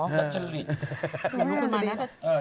แต่จะลุคกลับมาเลย